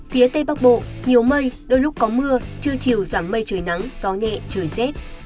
phía tây bắc bộ nhiều mây đôi lúc có mưa trưa chiều giảm mây trời nắng gió nhẹ trời rét